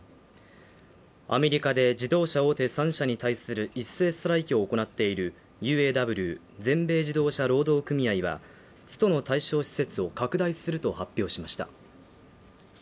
アメリカで自動車大手３社に対する一斉ストライキを行っているＵＡＷ＝自動車労働組合はストの対象施設を拡大すると発表しました